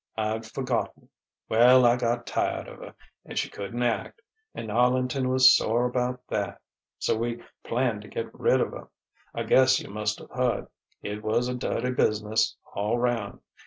I'd forgotten.... Well, I got tired of her, and she couldn't act, and Arlington was sore about that. So we planned to get rid of her. I guess you must've heard. It was a dirty business, all round....